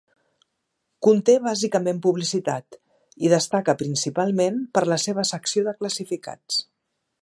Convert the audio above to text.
Conté bàsicament publicitat, i destaca principalment per la seva secció de classificats.